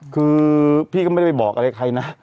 คือพี่ก็ไม่ได้ไปบอกอะไรใครนะ